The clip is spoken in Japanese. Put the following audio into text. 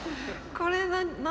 これ何？